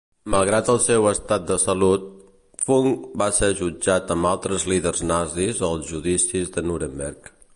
Malgrat el seu estat de salut, Funk va ser jutjat amb altres líders nazis als judicis de Nuremberg.